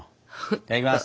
いただきます！